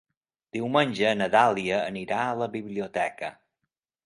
Diumenge na Dàlia anirà a la biblioteca.